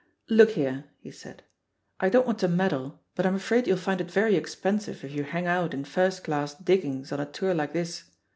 "Look here," he said, "I don't want to meddle, but I'm afraid you'll find it very expensive if you hang out in first class diggings on a tour like this.